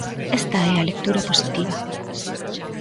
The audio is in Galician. Esta é a lectura positiva.